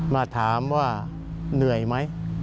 มาถามว่าเหนื่อยไหม